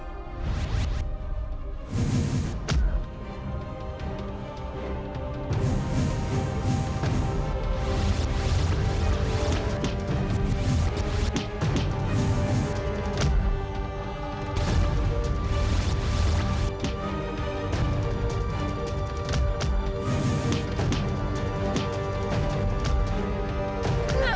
aku akan menang